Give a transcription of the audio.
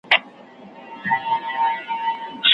طبیعت خالي ځمکي په هرزه بوټو او واښو باندي ډکوي.